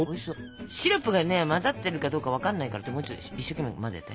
シロップがね混ざってるかどうか分かんないからもうちょっと一生懸命混ぜて。